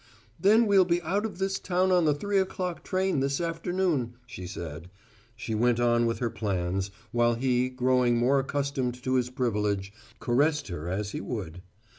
"Then we'll be out of this town on the three o'clock train this afternoon," she said. She went on with her plans, while he, growing more accustomed to his privilege, caressed her as he would.